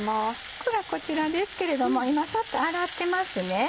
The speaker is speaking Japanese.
オクラこちらですけれども今さっと洗ってますね。